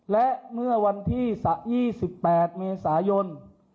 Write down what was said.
และเมื่อวันที่๒๘เมษายน